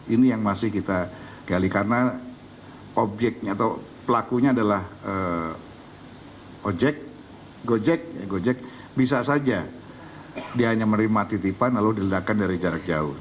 ini yang masih kita gali karena objeknya atau pelakunya adalah gojek bisa saja dia hanya menerima titipan lalu diledakan dari jarak jauh